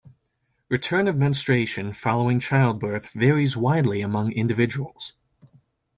Return of menstruation following childbirth varies widely among individuals.